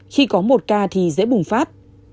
khi có một ca thì dễ bùng phát